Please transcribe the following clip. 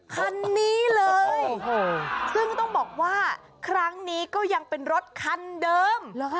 คันนี้เลยซึ่งต้องบอกว่าครั้งนี้ก็ยังเป็นรถคันเดิม